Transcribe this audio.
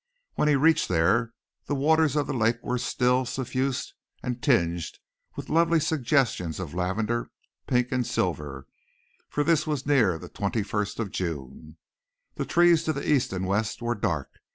When he reached there the waters of the lake were still suffused and tinged with lovely suggestions of lavender, pink and silver, for this was near the twenty first of June. The trees to the east and west were dark.